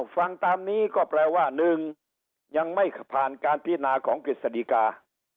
ฟังตามนี้ก็แปลว่า๑ยังไม่ผ่านการพินาของกฤษฎีกา